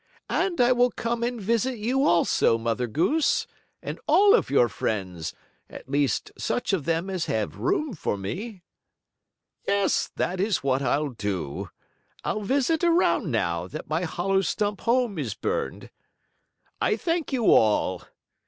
And I will come and visit you also, Mother Goose, and all of your friends; at least such of them as have room for me. "Yes, that is what I'll do. I'll visit around now that my hollow stump home is burned. I thank you all.